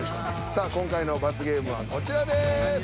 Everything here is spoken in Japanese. さあ今回の罰ゲームはこちらです。